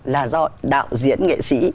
là do đạo diễn nghệ sĩ